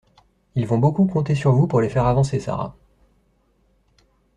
Ils vont beaucoup compter sur vous pour les faire avancer, Sara.